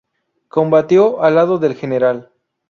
Combatió al lado del Gral.